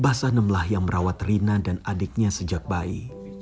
basanem lah yang merawat rina dan adiknya sejak bayi